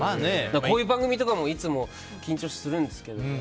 こういう番組とかもいつも緊張するんですけど。